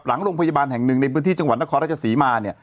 หลังโรงพยาบาลแห่งหนึ่งในพื้นที่จังหวัดนครราชศรีมาเนี่ย